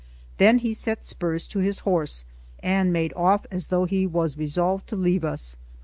Then he set spurs to his horse, and made off as though he was resolved to leave us.